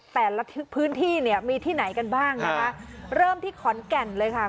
แต่ละพื้นที่เนี่ยมีที่ไหนกันบ้างนะคะเริ่มที่ขอนแก่นเลยค่ะ